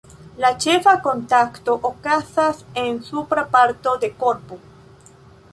La ĉefa kontakto okazas en supra parto de korpo.